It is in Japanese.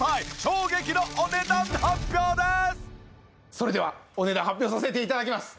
それではお値段発表させて頂きます。